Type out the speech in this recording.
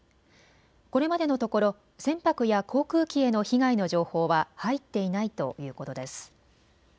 これまでのところ、船舶や航空機への被害の情報は入っていないということです。